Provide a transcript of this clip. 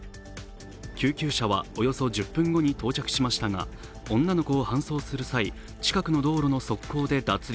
救急車はおよそ１０分後に到着しましたが女の子を搬送する際、近くの道路の側溝で脱輪。